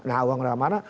nah uang kemana mana